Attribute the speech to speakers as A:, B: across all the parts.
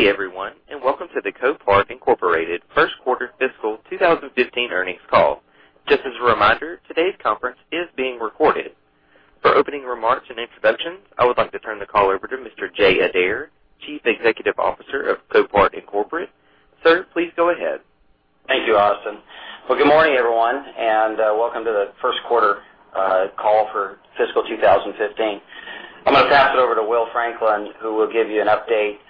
A: Good day everyone, welcome to the Copart Inc. First Quarter Fiscal 2015 earnings call. Just as a reminder, today's conference is being recorded. For opening remarks and introductions, I would like to turn the call over to Mr. Jay Adair, Chief Executive Officer of Copart, Inc. Sir, please go ahead.
B: Thank you, Austin. Good morning, everyone, welcome to the first quarter call for fiscal 2015. I'm going to pass it over to William Franklin, who will give you an update on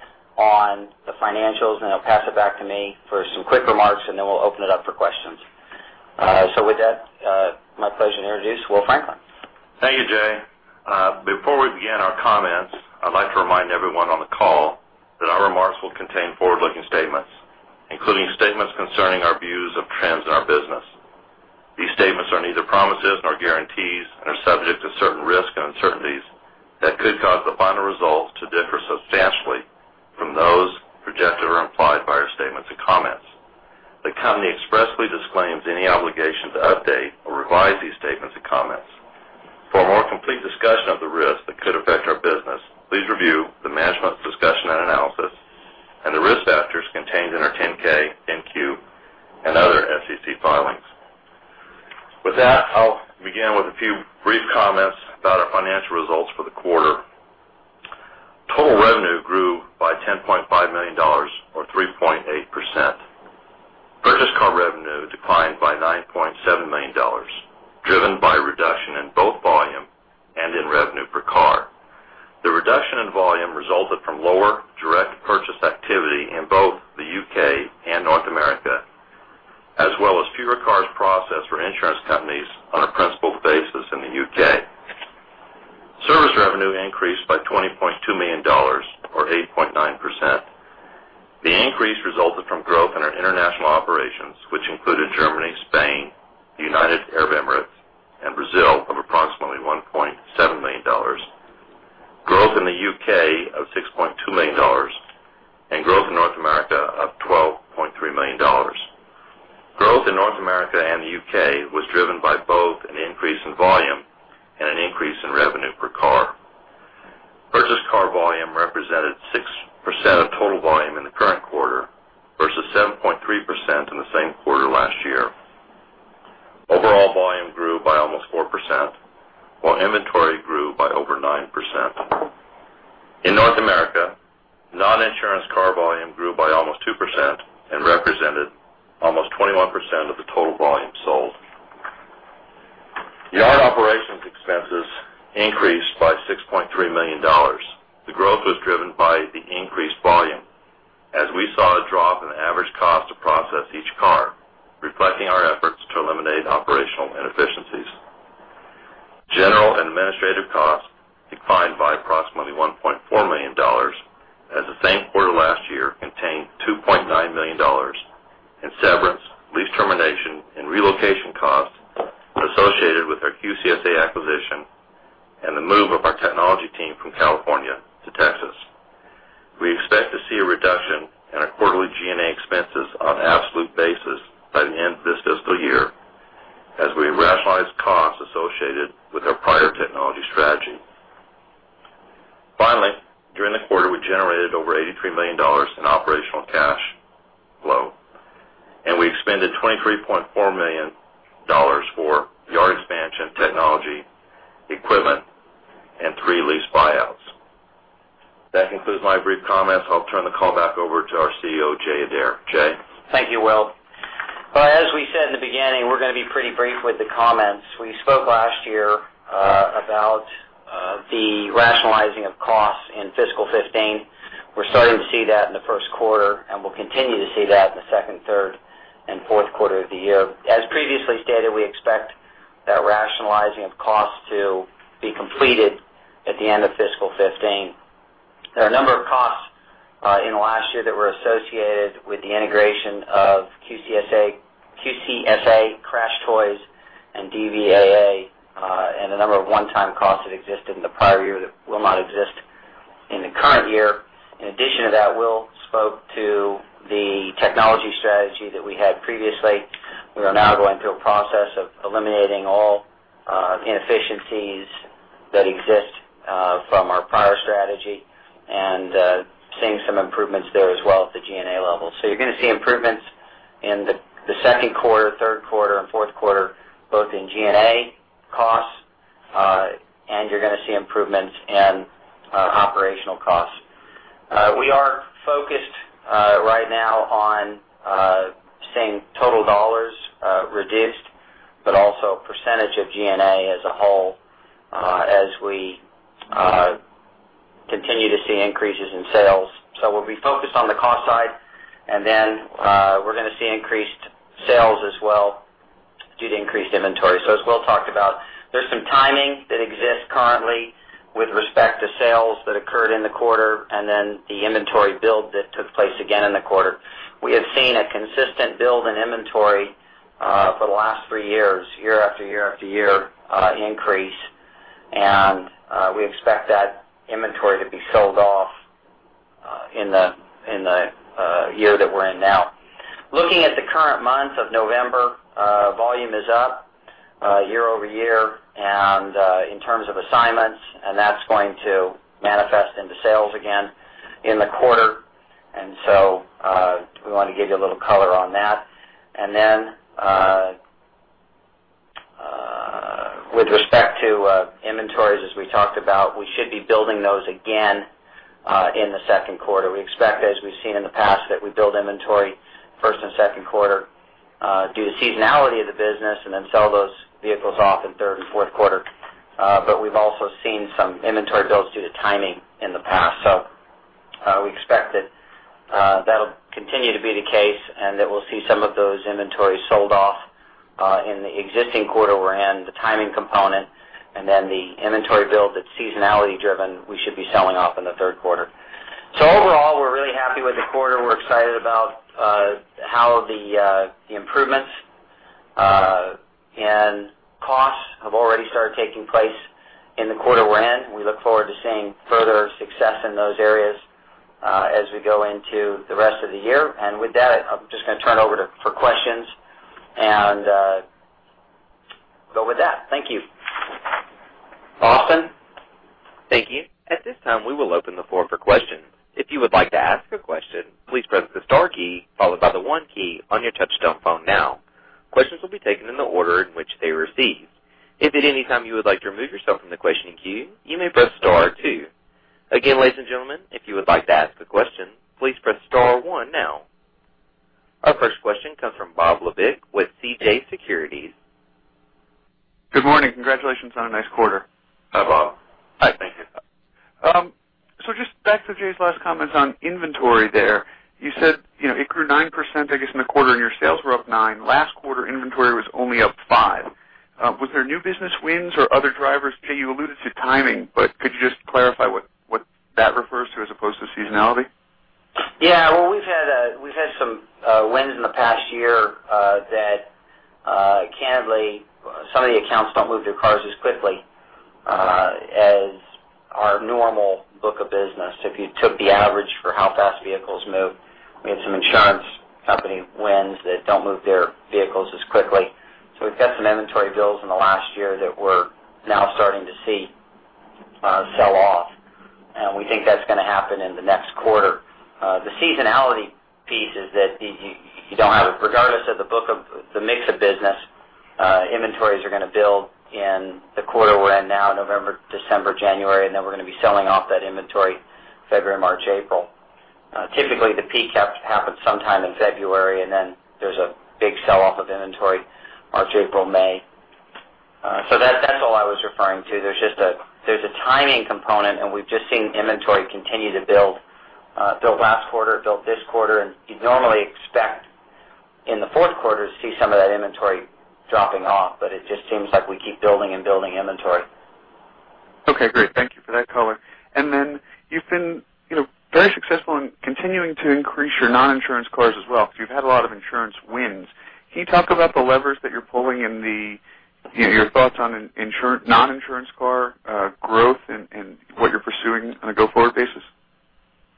B: the financials, he'll pass it back to me for some quick remarks, and we'll open it up for questions. With that, my pleasure to introduce William Franklin.
C: Thank you, Jay. Before we begin our comments, I'd like to remind everyone on the call that our remarks will contain forward-looking statements, including statements concerning our views of trends in our business. These statements are neither promises nor guarantees and are subject to certain risks and uncertainties that could cause the final results to differ substantially from those projected or implied by our statements and comments. The company expressly disclaims any obligation to update or revise these statements and comments. For a more complete discussion of the risks that could affect our business, please review the management's discussion and analysis and the risk factors contained in our 10-K, 10-Q, and other SEC filings. With that, I'll begin with a few brief comments about our financial results for the quarter. Total revenue grew by $10.5 million or 3.8%. Purchased car revenue declined by $9.7 million, driven by a reduction in both volume and in revenue per car. The reduction in volume resulted from lower direct purchase activity in both the U.K. and North America, as well as fewer cars processed for insurance companies on a principal basis in the U.K. Service revenue increased by $20.2 million or 8.9%. The increase resulted from growth in our international operations, which included Germany, Spain, the United Arab Emirates, and Brazil of approximately $1.7 million. Growth in the U.K. of $6.2 million, Growth in North America of $12.3 million. Growth in North America and the U.K. was driven by both an increase in volume and an increase in revenue per car. Purchased car volume represented 6% of total volume in the current quarter versus 7.3% in the same quarter last year. Overall volume grew by almost 4%, while inventory grew by over 9%. In North America, non-insurance car volume grew by almost 2% and represented almost 21% of the total volume sold. Yard operations expenses increased by $6.3 million. The growth was driven by the increased volume as we saw a drop in the average cost to process each car, reflecting our efforts to eliminate operational inefficiencies. General and administrative costs declined by approximately $1.4 million, as the same quarter last year contained $2.9 million in severance, lease termination, and relocation costs associated with our QCSA acquisition and the move of our technology team from California to Texas. We expect to see a reduction in our quarterly G&A expenses on an absolute basis by the end of this fiscal year as we rationalize costs associated with our prior technology strategy. Finally, during the quarter, we generated over $83 million in operational cash flow, and we expended $23.4 million for yard expansion technology, equipment, and three lease buyouts. That concludes my brief comments. I'll turn the call back over to our CEO, Jay Adair. Jay?
B: Thank you, Will. As we said in the beginning, we're going to be pretty brief with the comments. We spoke last year about the rationalizing of costs in fiscal 2015. We're starting to see that in the first quarter, and we'll continue to see that in the second, third, and fourth quarter of the year. As previously stated, we expect that rationalizing of costs to be completed at the end of fiscal 2015. There are a number of costs in the last year that were associated with the integration of QCSA, CrashedToys, and DVAA, and a number of one-time costs that existed in the prior year that will not exist in the current year. In addition to that, Will spoke to the technology strategy that we had previously. We are now going through a process of eliminating all inefficiencies that exist from our prior strategy and seeing some improvements there as well at the G&A level. You're going to see improvements in the second quarter, third quarter, and fourth quarter, both in G&A costs, and you're going to see improvements in operational costs. We are focused right now on seeing total dollars reduced, but also percentage of G&A as a whole as we continue to see increases in sales. We'll be focused on the cost side, and then we're going to see increased sales as well due to increased inventory. As Will talked about, there's some timing that exists currently with respect to sales that occurred in the quarter and then the inventory build that took place again in the quarter. We have seen a consistent build in inventory for the last three years, year after year after year increase. We expect that inventory to be sold off in the year that we're in now. Looking at the current month of November, volume is up year-over-year in terms of assignments. That's going to manifest into sales again in the quarter. We want to give you a little color on that. With respect to inventories, as we talked about, we should be building those again in the second quarter. We expect, as we've seen in the past, that we build inventory first and second quarter, due to seasonality of the business, and then sell those vehicles off in third and fourth quarter. We've also seen some inventory builds due to timing in the past. We expect that will continue to be the case. That we'll see some of those inventories sold off in the existing quarter we're in, the timing component. Then the inventory build that's seasonality driven, we should be selling off in the third quarter. Overall, we're really happy with the quarter. We're excited about how the improvements and costs have already started taking place in the quarter we're in. We look forward to seeing further success in those areas as we go into the rest of the year. With that, I'm just going to turn over for questions and go with that. Thank you. Austin?
A: Thank you. At this time, we will open the floor for questions. If you would like to ask a question, please press the star key followed by the one key on your touchtone phone now. Questions will be taken in the order in which they are received. If at any time you would like to remove yourself from the questioning queue, you may press star two. Again, ladies and gentlemen, if you would like to ask a question, please press star one now. Our first question comes from Bob Labick with CJS Securities.
D: Good morning. Congratulations on a nice quarter.
B: Hi, Bob. Hi, thank you.
D: Just back to Jay's last comments on inventory there. You said it grew 9%, I guess, in the quarter, and your sales were up nine. Last quarter, inventory was only up five. Was there new business wins or other drivers? Jay, you alluded to timing, but could you just clarify what that refers to as opposed to seasonality?
B: Well, we've had some wins in the past year that, candidly, some of the accounts don't move their cars as quickly as our normal book of business. If you took the average for how fast vehicles move, we had some insurance company wins that don't move their vehicles as quickly. We've got some inventory builds in the last year that we're now starting to see sell-off. We think that's going to happen in the next quarter. The seasonality piece is that you don't have it. Regardless of the mix of business, inventories are going to build in the quarter we're in now, November, December, January, and then we're going to be selling off that inventory February, March, April. Typically, the peak happens sometime in February, and then there's a big sell-off of inventory March, April, May. That's all I was referring to. There's a timing component, and we've just seen inventory continue to build. Built last quarter, built this quarter, and you'd normally expect in the fourth quarter to see some of that inventory dropping off, but it just seems like we keep building and building inventory.
D: Okay, great. Thank you for that color. You've been very successful in continuing to increase your non-insurance cars as well, because you've had a lot of insurance wins. Can you talk about the levers that you're pulling and your thoughts on non-insurance car growth and what you're pursuing on a go-forward basis?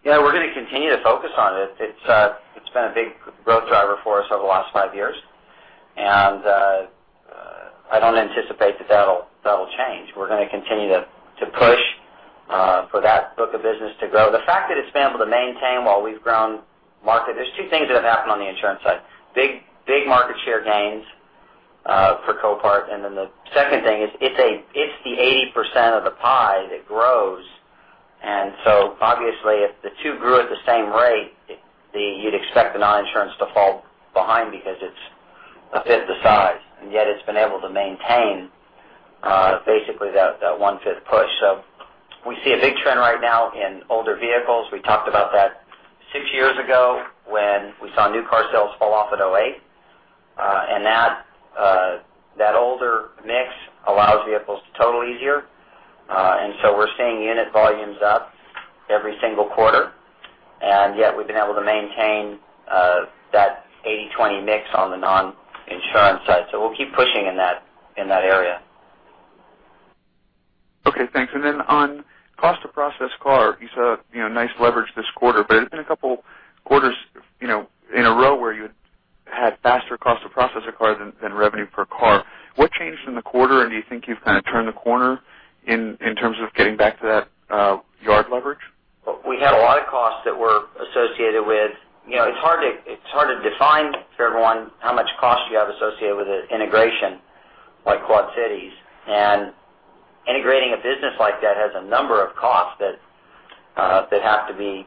B: Yeah, we're going to continue to focus on it. It's been a big growth driver for us over the last five years, and I don't anticipate that will change. We're going to continue to push for that book of business to grow. The fact that it's been able to maintain while we've grown. There's two things that have happened on the insurance side. Big market share gains for Copart, and then the second thing is it's the 80% of the pie that grows. Obviously, if the two grew at the same rate, you'd expect the non-insurance to fall behind because it's a fifth the size, and yet it's been able to maintain basically that one-fifth push. We see a big trend right now in older vehicles. We talked about that six years ago when we saw new car sales fall off in 2008. That older mix allows vehicles to total easier. We're seeing unit volumes up every single quarter, and yet we've been able to maintain that 80/20 mix on the non-insurance side. We'll keep pushing in that area.
D: Okay, thanks. On cost to process car, you saw a nice leverage this quarter, but it's been a couple quarters in a row where you had faster cost to process a car than revenue per car. What changed in the quarter, and do you think you've kind of turned the corner in terms of getting back to that yard leverage?
B: We had a lot of costs that were associated with. It's hard to define for everyone how much cost you have associated with an integration like Quad Cities. Integrating a business like that has a number of costs that have to be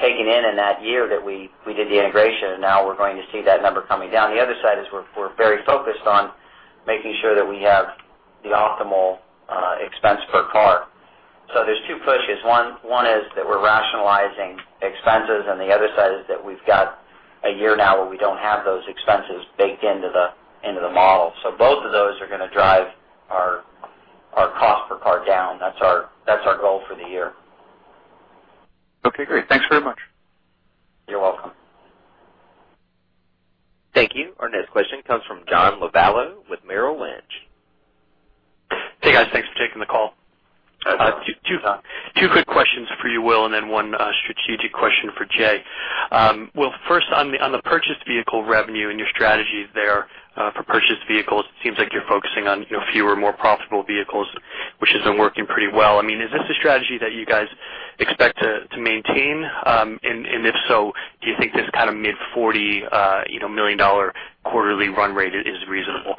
B: taken in in that year that we did the integration, and now we're going to see that number coming down. The other side is we're very focused on making sure that we have the optimal expense per car. There's two pushes. One is that we're rationalizing expenses, and the other side is that we've got a year now where we don't have those expenses baked into the model. Both of those are going to drive our cost per car down. That's our goal for the year.
D: Okay, great. Thanks very much.
B: You're welcome.
A: Thank you. Our next question comes from John Lovallo with Merrill Lynch.
E: Hey, guys. Thanks for taking the call. Two quick questions for you, Will, and then one strategic question for Jay. Will, first, on the purchased vehicle revenue and your strategies there for purchased vehicles, it seems like you're focusing on fewer, more profitable vehicles, which has been working pretty well. Is this a strategy that you guys expect to maintain? If so, do you think this kind of mid-$40 million quarterly run rate is reasonable?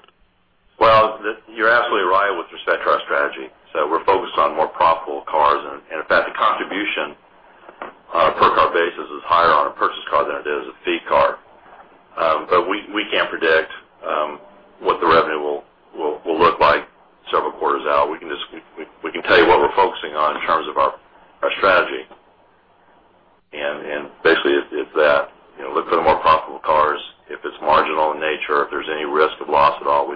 C: Well, you're absolutely right with respect to our strategy. We're focused on more profitable cars, and in fact, the contribution on a per-car basis is higher on a purchased car than it is a feed car. We can't predict what the revenue will look like several quarters out. We can tell you what we're focusing on in terms of our strategy. Basically, it's that. Look for the more profitable cars. If it's marginal in nature, if there's any risk of loss at all, we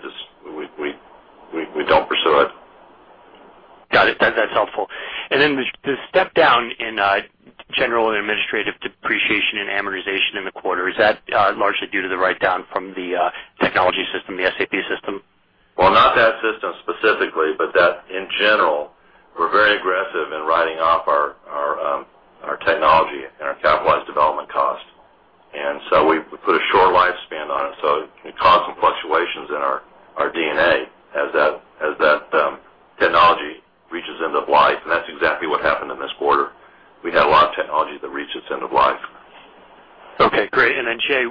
C: don't pursue it.
E: Got it. That's helpful. The step down in general and administrative depreciation and amortization in the quarter, is that largely due to the write-down from the technology system, the SAP system?
C: Well, not that system specifically, but that in general, we're very aggressive in writing off our technology and our capitalized development cost. We put a short lifespan on it, so it can cause some fluctuations in our D&A as that technology reaches end of life. That's exactly what happened in this quarter. We had a lot of technology that reached its end of life.
E: Okay, great. Jay,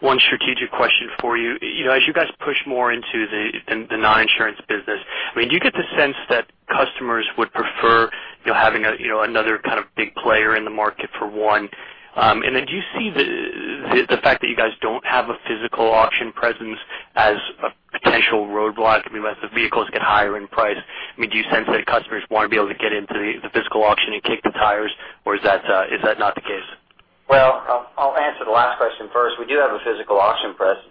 E: one strategic question for you. As you guys push more into the non-insurance business, do you get the sense that customers would prefer having another kind of big player in the market for one? Do you see the fact that you guys don't have a physical auction presence as a potential roadblock, as the vehicles get higher in price? Do you sense that customers want to be able to get into the physical auction and kick the tires, or is that not the case?
B: Well, I'll answer the last question first. We do have a physical auction presence.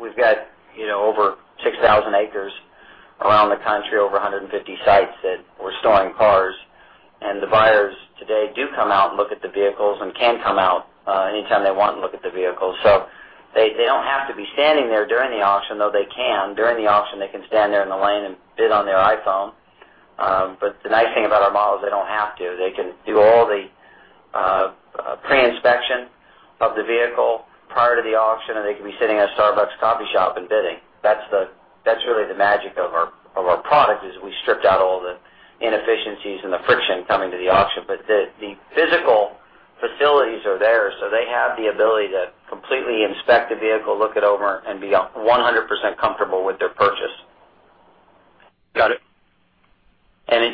B: We've got over 6,000 acres around the country, over 150 sites that we're storing cars. The buyers today do come out and look at the vehicles and can come out anytime they want and look at the vehicles. They don't have to be standing there during the auction, though they can. During the auction, they can stand there in the lane and bid on their iPhone. The nice thing about our model is they don't have to. They can do all the pre-inspection of the vehicle prior to the auction, and they can be sitting at a Starbucks coffee shop and bidding. That's really the magic of our product, is we stripped out all the inefficiencies and the friction coming to the auction. The physical facilities are there, so they have the ability to completely inspect the vehicle, look it over, and be 100% comfortable with their purchase.
E: Got it.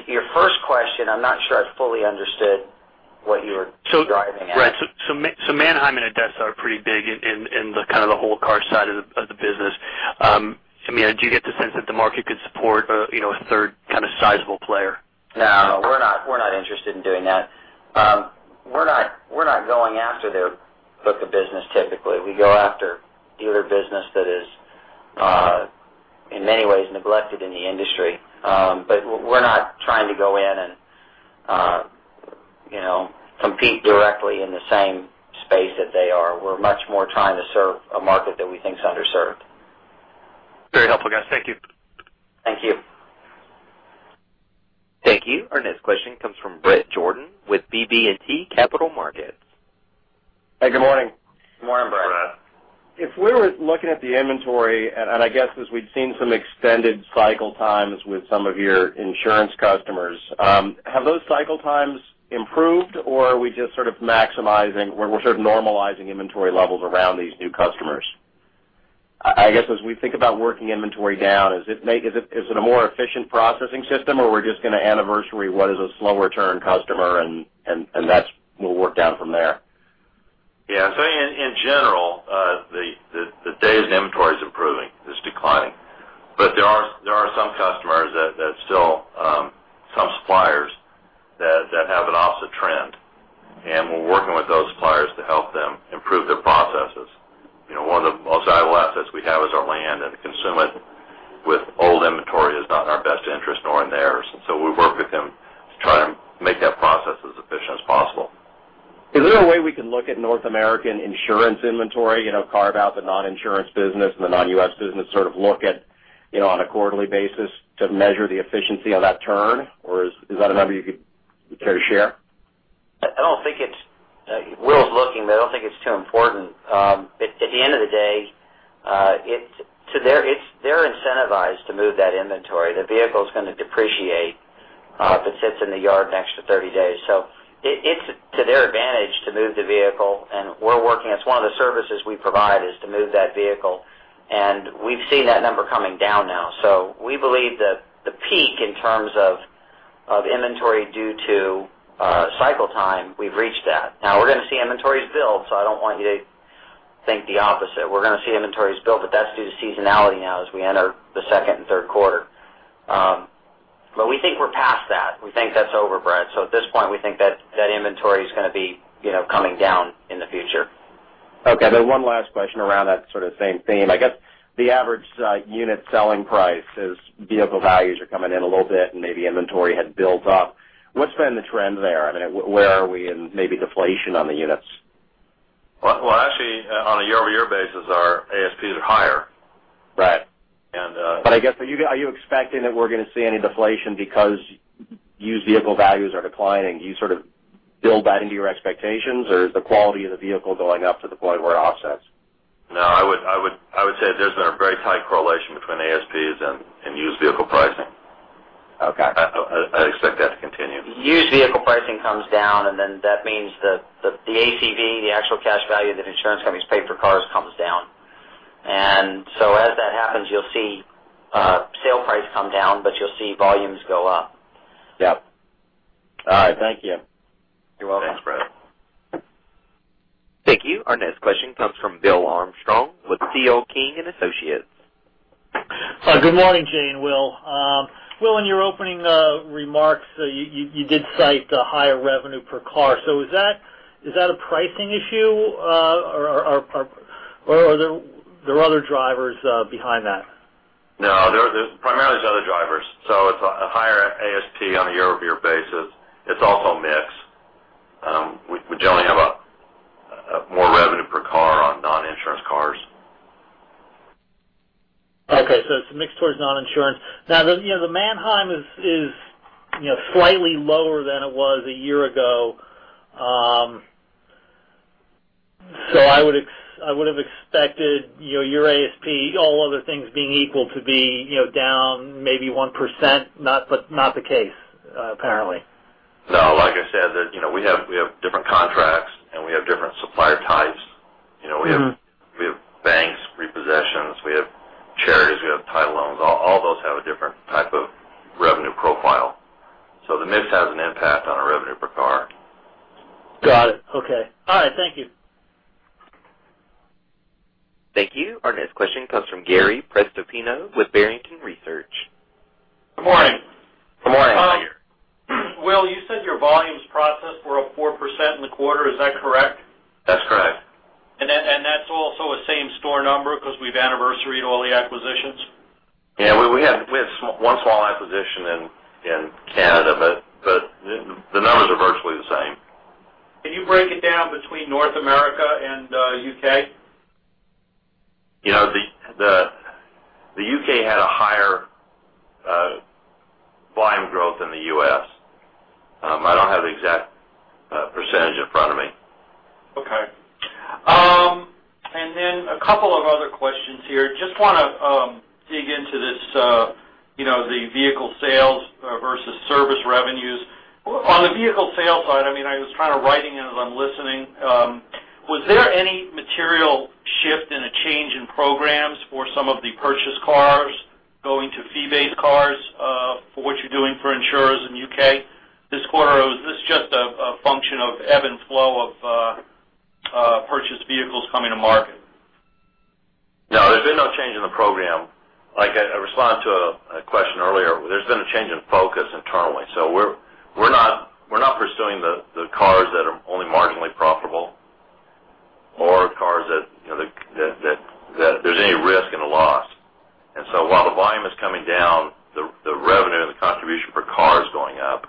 B: Your first question, I'm not sure I fully understood what you were driving at.
E: Right. Manheim and ADESA are pretty big in the kind of the whole car side of the business. Do you get the sense that the market could support a third kind of sizable player?
B: No, we're not interested in doing that. We're not going after their book of business, typically. We go after dealer business that is, in many ways, neglected in the industry. We're not trying to go in and compete directly in the same space that they are. We're much more trying to serve a market that we think is underserved.
E: Very helpful, guys. Thank you.
B: Thank you.
A: Thank you. Our next question comes from Bret Jordan with BB&T Capital Markets.
F: Hey, good morning.
C: Good morning, Bret.
F: If we were looking at the inventory, I guess as we've seen some extended cycle times with some of your insurance customers, have those cycle times improved, or are we just sort of maximizing, normalizing inventory levels around these new customers? I guess as we think about working inventory down, is it a more efficient processing system, or we're just going to anniversary what is a slower turn customer, that will work down from there?
C: Yeah. In general, the days in inventory is improving. It's declining. There are some suppliers that have an opposite trend. We're working with those suppliers to help them improve their processes. One of the most idle assets we have is our land, to consume it with old inventory is not in our best interest, nor in theirs. We work with them to try to make that process as efficient as possible.
F: Is there a way we can look at North American insurance inventory, carve out the non-insurance business and the non-U.S. business, sort of look at on a quarterly basis to measure the efficiency of that turn? Is that a number you could care to share?
B: Will's looking, I don't think it's too important. At the end of the day, they're incentivized to move that inventory. The vehicle's going to depreciate if it sits in the yard an extra 30 days. It's to their advantage to move the vehicle, we're working. It's one of the services we provide is to move that vehicle. We've seen that number coming down now. We believe that the peak in terms of inventory due to cycle time, we've reached that. Now we're going to see inventories build, I don't want you to think the opposite. We're going to see inventories build, that's due to seasonality now as we enter the second and third quarter. We think we're past that. We think that's over, Bret. At this point, we think that inventory is going to be coming down in the future.
F: Okay, one last question around that sort of same theme. I guess the average unit selling price as vehicle values are coming in a little bit and maybe inventory had built up. What's been the trend there? Where are we in maybe deflation on the units?
C: Well, actually, on a year-over-year basis, our ASPs are higher.
F: Right. I guess, are you expecting that we're going to see any deflation because used vehicle values are declining? Do you build that into your expectations, or is the quality of the vehicle going up to the point where it offsets?
C: No, I would say there's been a very tight correlation between ASPs and used vehicle pricing.
F: Okay.
C: I expect that to continue.
B: Used vehicle pricing comes down, and then that means that the ACV, the actual cash value that insurance companies pay for cars, comes down. As that happens, you'll see sale price come down, but you'll see volumes go up.
C: Yep.
F: All right. Thank you.
C: You're welcome.
F: Thanks, bro.
A: Thank you. Our next question comes from Bill Armstrong with C.L. King & Associates.
G: Good morning, Jay and Will. Will, in your opening remarks, you did cite higher revenue per car. Is that a pricing issue, or are there other drivers behind that?
C: No. Primarily, it's the other drivers. It's a higher ASP on a year-over-year basis. It's also mix. We generally have more revenue per car on non-insurance cars.
G: Okay. It's a mix towards non-insurance. Now, the Manheim is slightly lower than it was a year ago. I would've expected your ASP, all other things being equal, to be down maybe 1%, but not the case, apparently.
C: No. Like I said, we have different contracts, and we have different supplier types. We have banks, repossessions, we have charities, we have title loans. All those have a different type of revenue profile. The mix has an impact on our revenue per car.
G: Got it. Okay. All right. Thank you.
A: Thank you. Our next question comes from Gary Prestopino with Barrington Research.
H: Good morning.
C: Good morning.
H: Will, you said your volumes processed were up 4% in the quarter. Is that correct?
C: That's correct.
H: That's also a same-store number because we've anniversaried all the acquisitions?
C: We had one small acquisition in Canada, the numbers are virtually the same.
H: Can you break it down between North America and U.K.?
C: The U.K. had a higher volume growth than the U.S. I don't have the exact % in front of me.
H: Okay. A couple of other questions here. Just want to dig into this, the vehicle sales versus service revenues. On the vehicle sales side, I was kind of writing as I'm listening. Was there any material shift in a change in programs for some of the purchase cars going to fee-based cars for what you're doing for insurers in the U.K. this quarter? Is this just a function of ebb and flow of purchased vehicles coming to market?
C: No, there's been no change in the program. Like I responded to a question earlier, there's been a change in focus internally. We're not pursuing the cars that are only marginally profitable or cars that there's any risk in a loss. While the volume is coming down, the revenue and the contribution per car is going up.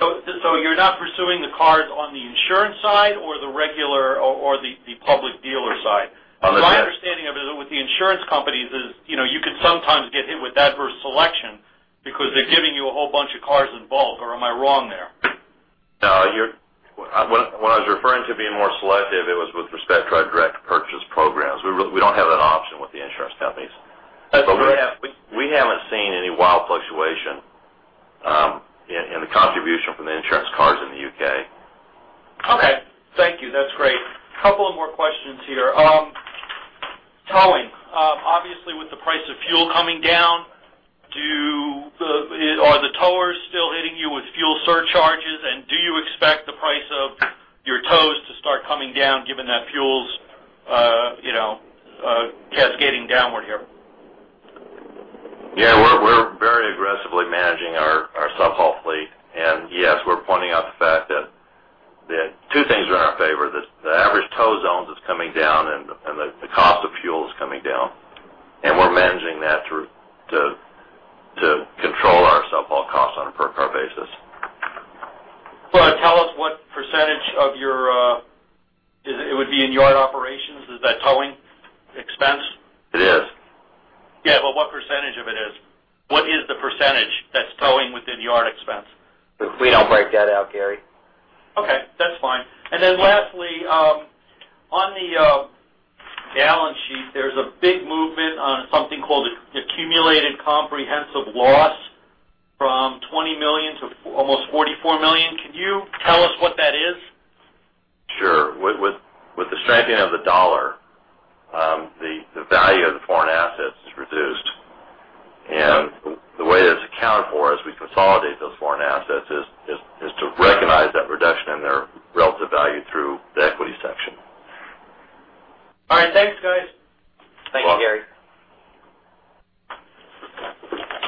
H: You're not pursuing the cars on the insurance side or the regular or the public dealer side?
C: On the-
H: My understanding of it with the insurance companies is you can sometimes get hit with adverse selection because they're giving you a whole bunch of cars in bulk, or am I wrong there?
C: No. What I was referring to being more selective, it was with respect to our direct purchase programs. We don't have that option with the insurance companies.
H: That's what-
C: We haven't seen any wild fluctuation in the contribution from the insurance cars in the U.K.
H: Okay. Thank you. That's great. Couple of more questions here.
C: as we consolidate those foreign assets is to recognize that reduction in their relative value through the equity section.
H: All right. Thanks, guys.
C: You're welcome.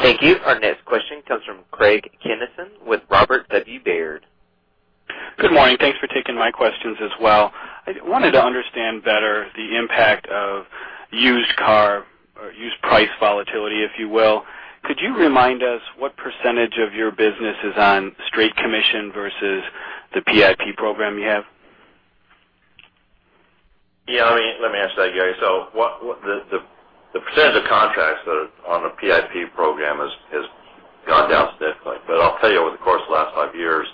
B: Thank you, Gary.
A: Thank you. Our next question comes from Craig Kennison with Robert W. Baird.
I: Good morning. Thanks for taking my questions as well. I wanted to understand better the impact of used car or used price volatility, if you will. Could you remind us what percentage of your business is on straight commission versus the PIP program you have?
C: Yeah. Let me answer that, Gary. The percentage of contracts that are on the PIP program has gone down significantly. I'll tell you, over the course of the last five years,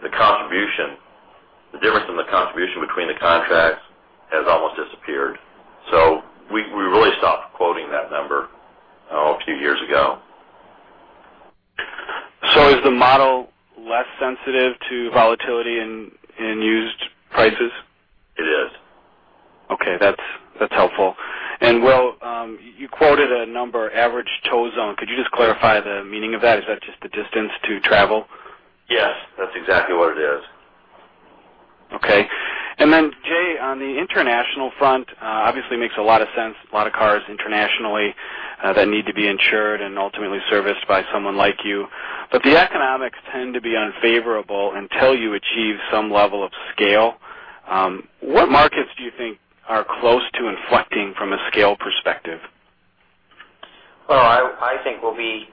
C: the difference in the contribution between the contracts has almost disappeared. We really stopped quoting that number a few years ago.
I: Is the model less sensitive to volatility in used prices?
C: It is.
I: Okay. That's helpful. Will, you quoted a number, average tow zone. Could you just clarify the meaning of that? Is that just the distance to travel?
C: Yes. That's exactly what it is.
I: Okay. Jay, on the international front, obviously makes a lot of sense, a lot of cars internationally that need to be insured and ultimately serviced by someone like you. The economics tend to be unfavorable until you achieve some level of scale. What markets do you think are close to inflecting from a scale perspective?
B: Well, I think we'll be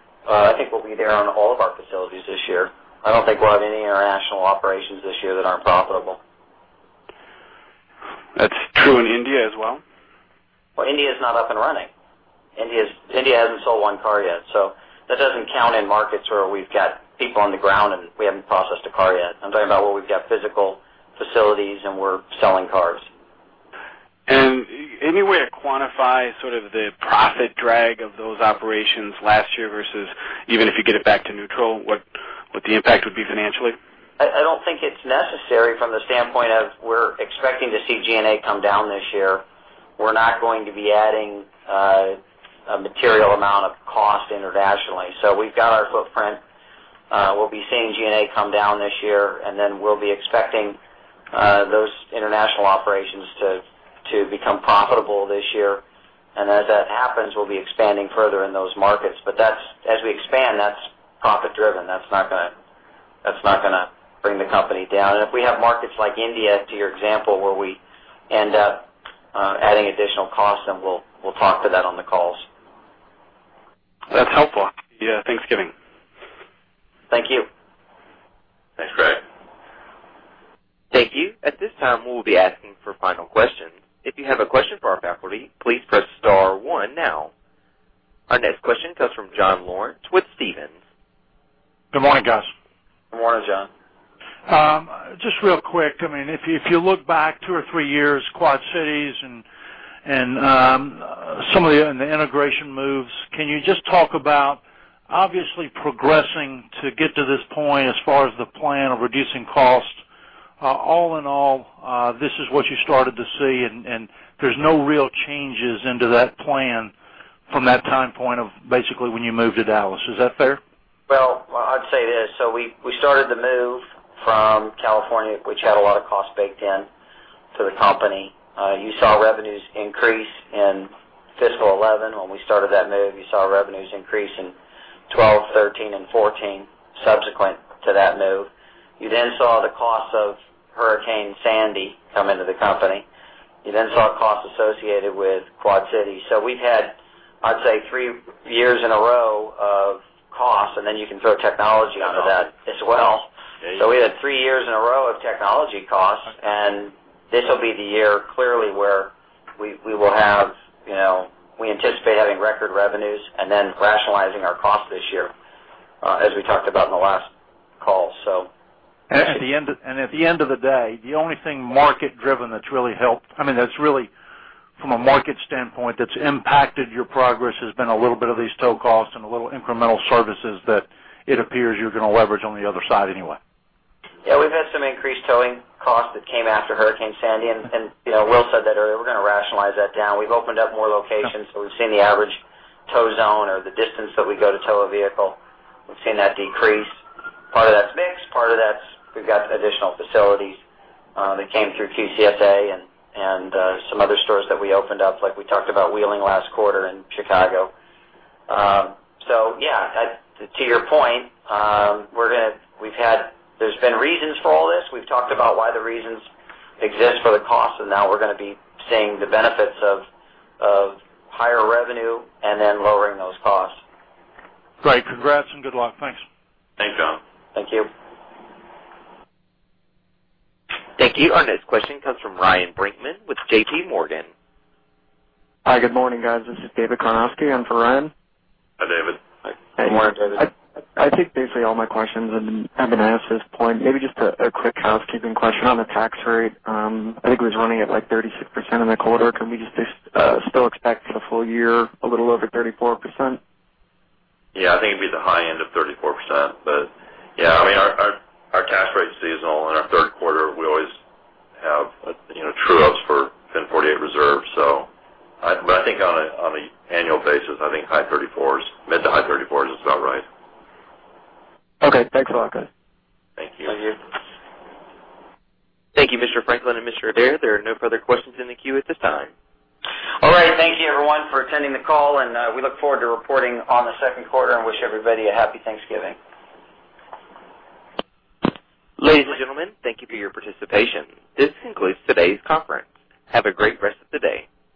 B: there on all of our facilities this year. I don't think we'll have any international operations this year that aren't profitable.
I: That's true in India as well?
B: Well, India's not up and running. India hasn't sold one car yet. That doesn't count in markets where we've got people on the ground and we haven't processed a car yet. I'm talking about where we've got physical facilities and we're selling cars.
I: Any way to quantify sort of the profit drag of those operations last year versus even if you get it back to neutral, what the impact would be financially?
B: I don't think it's necessary from the standpoint of we're expecting to see G&A come down this year. We're not going to be adding a material amount of cost internationally. We've got our footprint. We'll be seeing G&A come down this year, then we'll be expecting those international operations to become profitable this year. As that happens, we'll be expanding further in those markets. As we expand, that's profit-driven. That's not going to bring the company down. If we have markets like India, to your example, where we end up adding additional costs, then we'll talk to that on the calls.
I: That's helpful. Happy Thanksgiving.
B: Thank you.
C: Thanks, Craig.
A: Thank you. At this time, we will be asking for final questions. If you have a question for our faculty, please press star one now. Our next question comes from John Lawrence with Stephens.
J: Good morning, guys.
C: Good morning, John.
J: Just real quick, if you look back two or three years, Quad City and some of the integration moves, can you just talk about, obviously progressing to get to this point as far as the plan of reducing costs. All in all, this is what you started to see, and there's no real changes into that plan from that time point of basically when you moved to Dallas. Is that fair?
B: Well, I'd say it is. We started the move from California, which had a lot of costs baked in to the company. You saw revenues increase in fiscal 2011 when we started that move. You saw revenues increase in 2012, 2013, and 2014 subsequent to that move. You saw the cost of Hurricane Sandy come into the company. You saw costs associated with Quad City. We've had, I'd say, three years in a row of costs, and you can throw technology onto that as well. We had three years in a row of technology costs, and this will be the year, clearly, where we anticipate having record revenues and rationalizing our cost this year, as we talked about on the last call.
J: At the end of the day, the only thing market-driven that's really helped, that's really from a market standpoint that's impacted your progress, has been a little bit of these tow costs and a little incremental services that it appears you're going to leverage on the other side anyway.
B: Yeah, we've had some increased towing costs that came after Hurricane Sandy, and Will said that earlier. We're going to rationalize that down. We've opened up more locations. We've seen the average tow zone or the distance that we go to tow a vehicle. We've seen that decrease. Part of that's mix, part of that's we've got additional facilities that came through QCSA and some other stores that we opened up, like we talked about Wheeling last quarter in Chicago. Yeah, to your point, there's been reasons for all this. We've talked about why the reasons exist for the cost, and now we're going to be seeing the benefits of higher revenue and lowering those costs.
J: Great. Congrats and good luck. Thanks.
C: Thanks, John.
B: Thank you.
A: Thank you. Our next question comes from Ryan Brinkman with J.P. Morgan.
K: Hi. Good morning, guys. This is David Karnovsky in for Ryan.
C: Hi, David.
B: Good morning, David.
K: I think basically all my questions have been asked at this point. Maybe just a quick housekeeping question on the tax rate. I think it was running at 36% in the quarter. Can we just still expect for the full year, a little over 34%?
C: I think it'd be the high end of 34%. Yeah, our tax rate's seasonal. In our third quarter, we always have true ups for FIN 48 reserve. I think on an annual basis, I think mid to high 34s is about right.
K: Okay. Thanks a lot, guys.
C: Thank you.
B: Thank you.
A: Thank you, Mr. Franklin and Mr. Adair. There are no further questions in the queue at this time.
B: All right. Thank you everyone for attending the call, and we look forward to reporting on the second quarter and wish everybody a Happy Thanksgiving.
A: Ladies and gentlemen, thank you for your participation. This concludes today's conference. Have a great rest of the day.